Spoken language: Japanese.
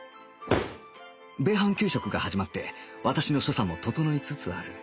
米飯給食が始まって私の所作も整いつつある